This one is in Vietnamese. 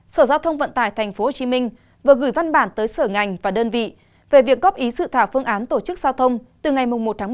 sở giao thông vận tải tp hcm vừa gửi văn bản tới sở ngành và đơn vị về việc góp ý sự thảo phương án tổ chức giao thông từ ngày một tháng một